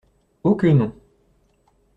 Oh que non!